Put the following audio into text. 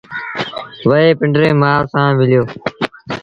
وهي پنڊريٚ مآ سآݩ مليو